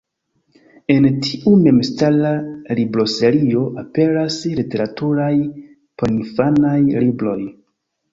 En tiu memstara libroserio aperas literaturaj porinfanaj libroj.